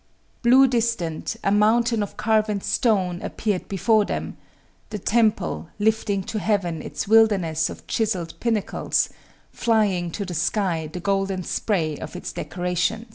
Blue distant, a mountain of carven stone appeared before them, the Temple, lifting to heaven its wilderness of chiseled pinnacles, flinging to the sky the golden spray of its decoration.